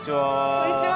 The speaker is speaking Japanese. こんにちは。